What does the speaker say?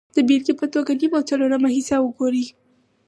د بېلګې په توګه نیم او څلورمه حصه وګورئ